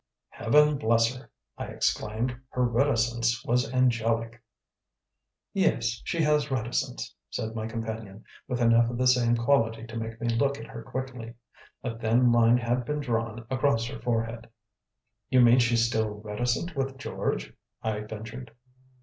"Heaven bless her!" I exclaimed. "Her reticence was angelic." "Yes, she has reticence," said my companion, with enough of the same quality to make me look at her quickly. A thin line had been drawn across her forehead. "You mean she's still reticent with George?" I ventured.